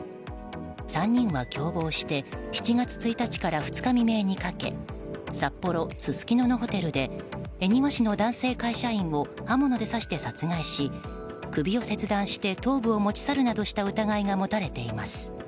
３人は共謀して７月１日から２日未明にかけ札幌・すすきののホテルで恵庭市の男性会社員を刃物で刺して殺害し首を切断して頭部を持ち去るなどした疑いが持たれています。